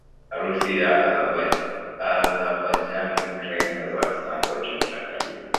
Urusi Azabajani Ukraine Kazakhstan Kwa jumla karibu